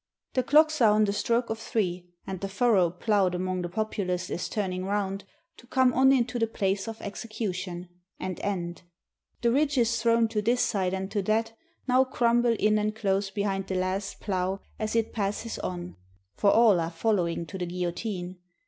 The clocks are on the stroke of three, and the furrow ploughed among the populace is turning round, to come on into the place of execution, and end. The ridges thrown to this side and to that, now crumble in and close behind the last plough as it passes on, for all are following to the guillotine.